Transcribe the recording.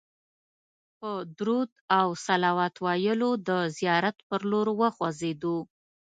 په درود او صلوات ویلو د زیارت پر لور وخوځېدو.